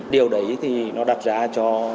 điều đấy thì nó đặt ra cho